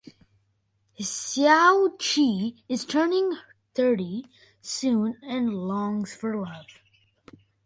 Hsiao Chi is turning thirty soon and longs for love.